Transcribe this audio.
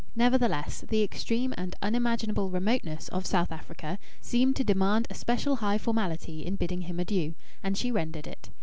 Nevertheless, the extreme and unimaginable remoteness of South Africa seemed to demand a special high formality in bidding him adieu, and she rendered it.